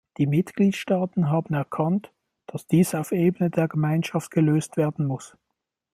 Die Mitgliedstaaten haben erkannt, dass dies auf Ebene der Gemeinschaft gelöst werden muss.